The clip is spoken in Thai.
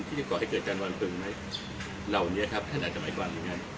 ก่อให้เกิดการวางเพลิงไหมเหล่านี้ครับท่านอาจจะหมายความอย่างนั้น